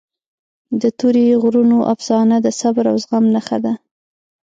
د تورې غرونو افسانه د صبر او زغم نښه ده.